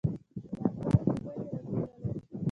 گلاب گل ښکلي رنگونه لري